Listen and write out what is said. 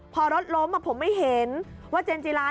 พอรถล้มผมไม่เห็นว่าเจนจิลา